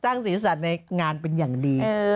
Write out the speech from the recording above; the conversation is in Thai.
ศีรษะในงานเป็นอย่างดี